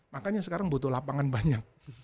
makanya sekarang butuh lapangan banyak